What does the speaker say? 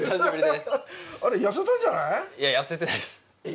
いや痩せてないです。え。